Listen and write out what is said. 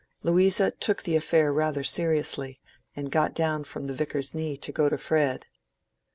Louisa took the affair rather seriously, and got down from the Vicar's knee to go to Fred.